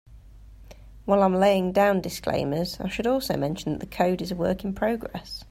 While I'm laying down disclaimers, I should also mention that the code is a work in progress.